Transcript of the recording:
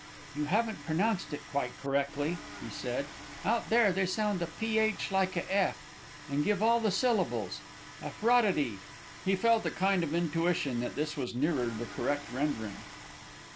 "You haven't prenounced it quite correckly," he said; "out there they sound the ph like a f, and give all the syllables Afroddity." He felt a kind of intuition that this was nearer the correct rendering.